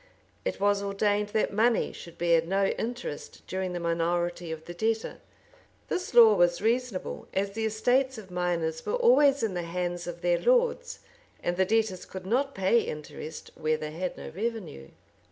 [] It was ordained, that money should bear no interest during the minority of the debtor.[] This law was reasonable, as the estates of minors were always in the hands of their lords, and the debtors could not pay interest where they had no revenue.